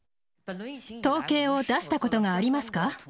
統計を出したことがありますか？